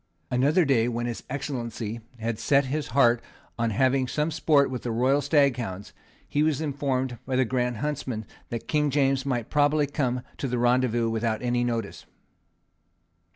Another day, when his Excellency had set his heart on having some sport with the royal staghounds, he was informed by the Grand Huntsman that King James might probably come to the rendezvous without any notice.